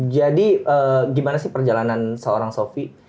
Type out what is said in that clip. jadi gimana sih perjalanan seorang sofi